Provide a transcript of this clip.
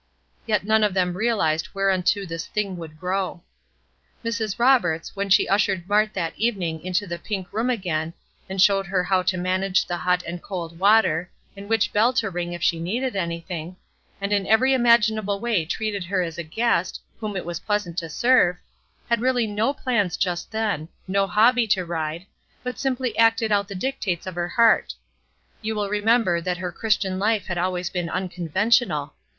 Yet none of them realized whereunto this thing would grow. Mrs. Roberts, when she ushered Mart that evening into the pink room again, and showed her how to manage the hot and cold water, and which bell to ring if she needed anything, and in every imaginable way treated her as a guest, whom it was pleasant to serve, had really no plans just then no hobby to ride but simply acted out the dictates of her heart. You will remember that her Christian life had been always unconventional.